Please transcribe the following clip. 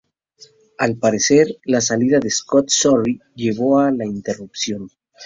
Al parecer, la salida de Scott Sorry llevó a la interrupción.